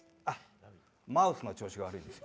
マウスの調子が悪いんですよ。